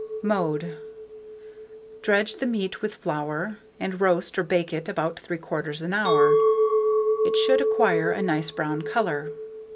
Mode. Dredge the meat with flour, and roast or bake it for about 3/4 hour: it should acquire a nice brown colour.